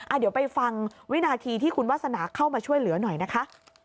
เดี๋ยวไปฟังวินาทีที่คุณวาสนาเข้ามาช่วยเหลือหน่อยนะคะ